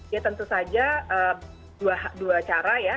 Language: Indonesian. ya tentu saja dua cara ya